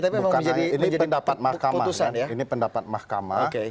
bukan ini pendapat mahkamah